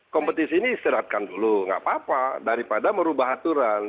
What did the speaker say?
kompetisi ini istirahatkan dulu nggak apa apa daripada merubah aturan